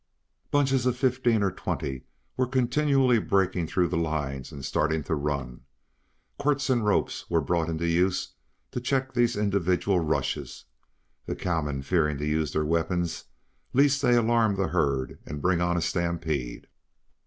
Bunches of fifteen or twenty were continually breaking through the lines and starting to run. Quirts and ropes were brought into use to check these individual rushes, the cowmen fearing to use their weapons lest they alarm the herd and bring on a stampede.